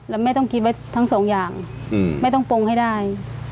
แล้วแม่ต้องคิดไว้ทั้งสองอย่างแม่ต้องปรุงให้ได้